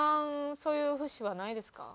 そういう節はないですか？